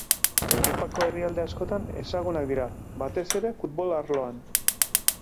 Europako herrialde askotan ezagunak dira, batez ere futbol arloan.